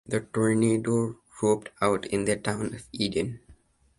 The tornado roped out in the town of Eden.